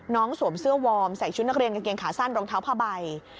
สวมเสื้อวอร์มใส่ชุดนักเรียนกางเกงขาสั้นรองเท้าผ้าใบ